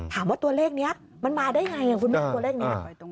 ถามว่าตัวเลขนี้มันมาได้ไงคุณแม่ตัวเลขนี้